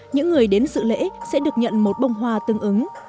những người đến sự lễ sẽ được nhận một bông hoa tương ứng